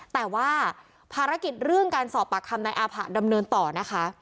แต่ว่าภารกิจเรื่องการสอบปากคำนายอาผะดำเนินต่อนะคะ